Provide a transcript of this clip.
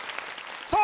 さあ